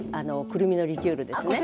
くるみのリキュールですね。